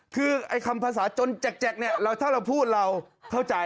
คือไอ้คำภาษาจนแจกเนี่ยถ้าเราพูดเราเข้าใจ